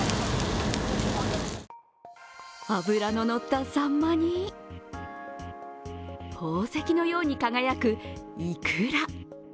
脂の乗った、さんまに、宝石のように輝く、いくら。